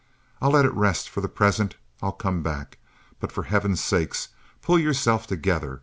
I'll let it rest for the present; I'll come back. But for Heaven's sake pull yourself together.